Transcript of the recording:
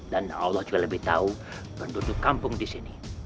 dan allah juga lebih tahu penduduk kampung disini